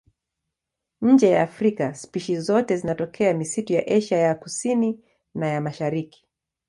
Nje ya Afrika spishi zote zinatokea misitu ya Asia ya Kusini na ya Mashariki.